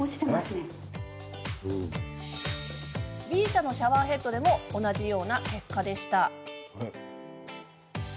Ｂ社のシャワーヘッドでも同じような結果でした。